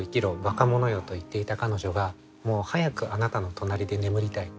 ばかものよと言っていた彼女がもう早くあなたの隣で眠りたい。